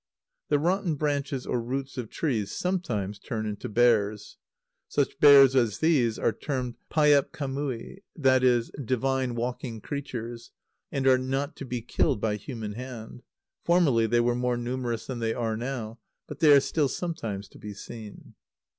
_ The rotten branches or roots of trees sometimes turn into bears. Such bears as these are termed payep kamui, i.e. "divine walking creatures," and are not to be killed by human hand. Formerly they were more numerous than they are now, but they are still sometimes to be seen.